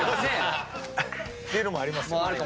「は！」っていうのもあります。